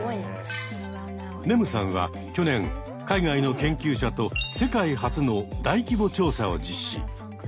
ねむさんは去年海外の研究者と世界初の大規模調査を実施。